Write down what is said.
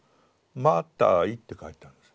「マタイ」って書いてあるんです。